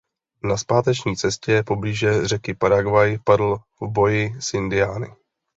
Na zpáteční cestě poblíže řeky Paraguay padl v boji s Indiány.